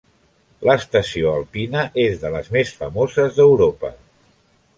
L'estació alpina és de les més famoses d'Europa.